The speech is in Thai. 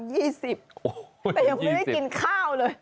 แต่ยังไม่ได้กินข้าวเลย